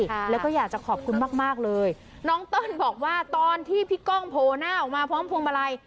ค่ะแล้วก็อยากจะขอบคุณมากมากเลยน้องเติ้ลบอกว่าตอนที่พี่ก้องโผล่หน้าออกมาพร้อมพวงมาลัย